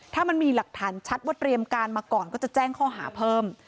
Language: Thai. ถ้ามันมีหลักฐานชัดว่าเตรียมการมาก่อนก็จะแจ้งข้อหาเพิ่ม